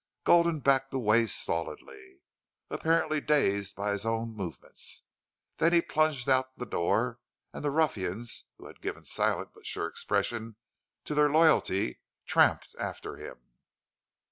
Gulden backed away stolidly, apparently dazed by his own movements; then he plunged out the door, and the ruffians who had given silent but sure expression of their loyalty tramped after him.